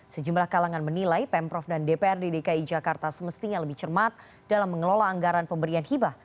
sejumlah kalangan menilai pemprov dan dprd dki jakarta semestinya lebih cermat dalam mengelola anggaran pemberian hibah